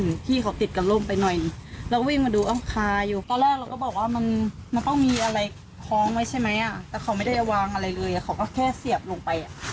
นี่เห็นไหมหนูพูดไม่ทันคัดฮ่านั่นเลยเข้าละที